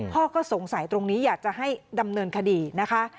พ่อก็สงสัยตรงนี้อยากจะให้ดำเนินคดีนะคะ